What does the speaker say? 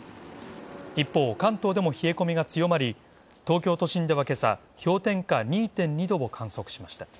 一方、関東でも冷え込みが強まり東京都心では今朝、マイナス２．２度を観測しました。